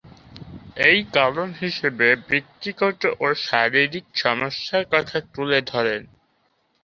এর কারণ হিসেবে ব্যক্তিগত ও শারীরিক সমস্যার কথা তুলে ধরেন।